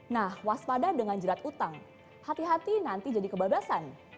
nah waspada dengan jerat utang hati hati nanti jadi kebabasan